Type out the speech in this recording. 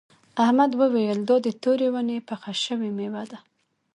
احمد وویل دا د تورې ونې پخه شوې میوه ده.